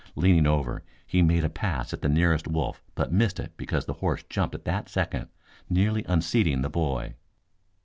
Leaning over he made a pass at the nearest wolf but missed it because the horse jumped at that second, nearly unseating the boy.